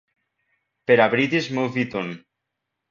Per a British Movietone.